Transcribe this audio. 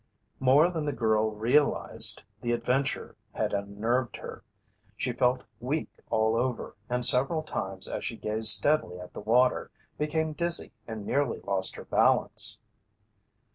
More than the girl realized, the adventure had unnerved her. She felt weak all over, and several times as she gazed steadily at the water, became dizzy and nearly lost her balance.